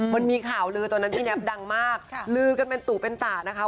มันมีข่าวลือตอนนั้นพี่แน็บดังมากลือกันเป็นตู่เป็นตานะคะ